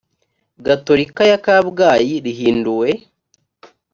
gatolika ya kabgayi rihinduwe